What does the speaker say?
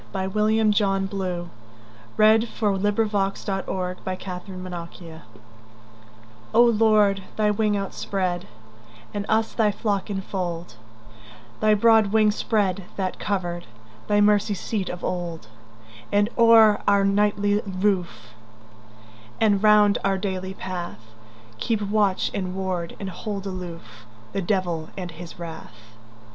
1895. William John Blew 1806–94 O Lord, Thy Wing Outspread O LORD, thy wing outspread, And us thy flock infold; Thy broad wing spread, that coveredThy mercy seat of old:And o'er our nightly roof, And round our daily path, Keep watch and ward, and hold aloofThe devil and his wrath.